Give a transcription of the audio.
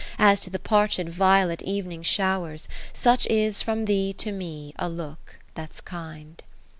As to the parched violet evening showers ; Such is from thee to me a look that's kind.